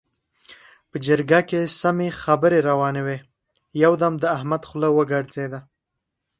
په جرګه کې سمې خبرې روانې وې؛ يو دم د احمد خوله وګرځېده.